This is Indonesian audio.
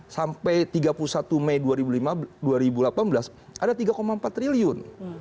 sampai tiga puluh satu mei dua ribu delapan belas ada tiga empat triliun